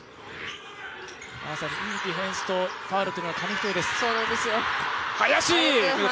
まさに、いいディフェンスとファウルというのは紙一重です。